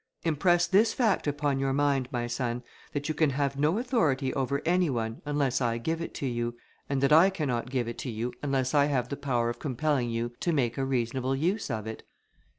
Impress this fact upon your mind, my son, that you can have no authority over any one, unless I give it to you, and that I cannot give it to you, unless I have the power of compelling you to make a reasonable use of it."